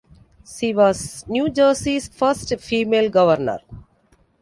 She was New Jersey's first female governor.